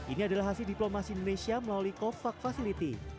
ini adalah hasil diplomasi indonesia melalui covax facility